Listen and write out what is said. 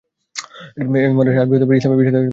এ মাদ্রাসায় আরবি ও ইসলামী বিষয়াদি শিক্ষা দেওয়া হতো।